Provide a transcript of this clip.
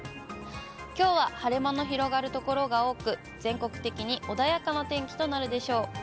きょうは晴れ間の広がる所が多く、全国的に穏やかな天気となるでしょう。